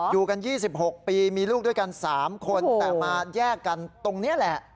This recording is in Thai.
อยู่กันยี่สิบหกปีมีลูกด้วยกันสามคนแต่มาแยกกันตรงเนี้ยแหละ